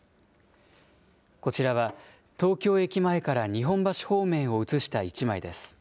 こちらは東京駅前から日本橋方面を写した一枚です。